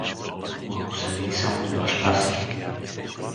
— Но ако се види само с баща си?